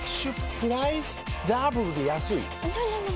プライスダブルで安いＮｏ！